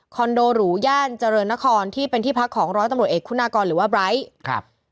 โดหรูย่านเจริญนครที่เป็นที่พักของร้อยตำรวจเอกคุณากรหรือว่าไบร์ทครับ